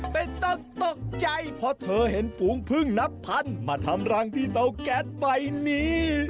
ไม่ต้องตกใจเพราะเธอเห็นฝูงพึ่งนับพันธุ์มาทำรังที่เต้าแก๊สฝายนี้